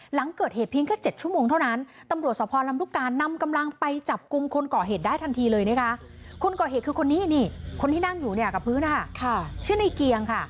หลังเกิดเหตุเพียงก็๗ชั่วโมงเท่านั้น